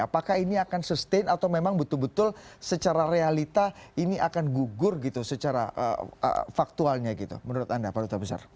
apakah ini akan sustain atau memang betul betul secara realita ini akan gugur gitu secara faktualnya gitu menurut anda pak duta besar